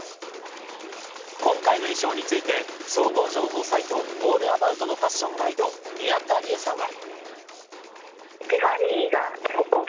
今回の衣装について総合情報サイトオールアバウトのファッションガイド宮田理江さんは。